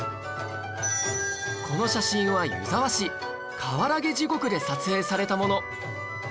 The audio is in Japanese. この写真は湯沢市川原毛地獄で撮影されたもの